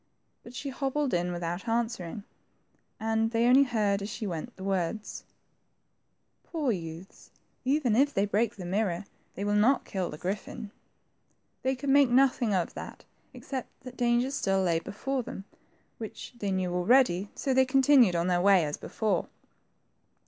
But she hobbled in without answering, and they only heard, as she went, the y^ords, — Poor youths, even if they break the mirror, they will not kill the griffin." They could make nothing of that except that dangers still lay before them, which they knew already, so they continued on their way as before.